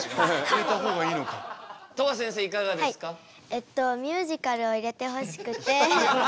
えっとミュージカルを入れてほしくて。